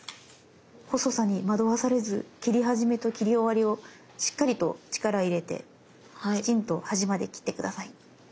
細さに惑わされず切り始めと切り終わりをしっかりと力入れてきちんと端まで切って下さい。